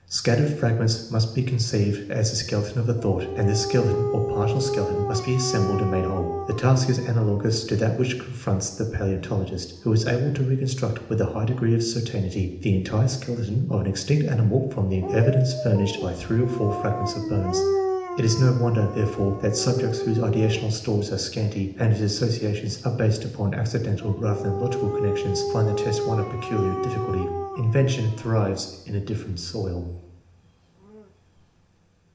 Scattered fragments must be conceived as the skeleton of a thought, and this skeleton, or partial skeleton, must be assembled and made whole. The task is analogous TEST NO. IX, 5 247 to that which confronts the palaeontologist, who is able to reconstruct, with a high degree of certainty, the entire skeleton of an extinct animal from the evidence furnished by three or four fragments of bones. It is no wonder, there fore, that subjects whose ideational stores are scanty, and whose associations are based upon accidental rather than logical connections, find the test one of peculiar difficulty. Invention thrives in a different soil.